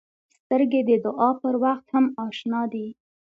سترګې د دعا پر وخت هم اشنا دي